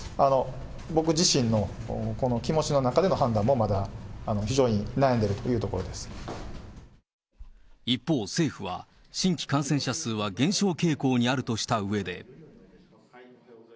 僕自身のこの気持ちの中での判断もまだ非常に悩んでいるというと一方、政府は、新規感染者数は減少傾向にあるとしたうえで。